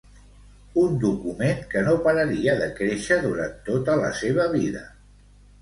Un document que no pararia de créixer durant tota la seva vida.